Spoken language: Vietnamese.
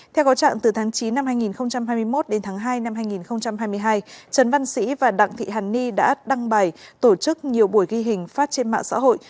theo có trạng từ tháng chín năm hai nghìn hai mươi một đến tháng hai năm hai nghìn hai mươi hai trần văn sĩ và đặng thị hàn ni đã đăng bài tổ chức nhiều buổi ghi hình phát trên mạng xã hội